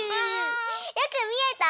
よくみえた？